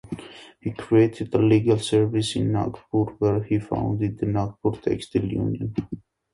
He created a legal service in Nagpur, where he founded the Nagpur Textile Union.